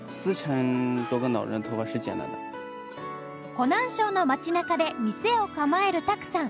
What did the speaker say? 湖南省の街中で店を構える卓さん